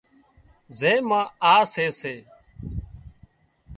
زين مان آ سي سي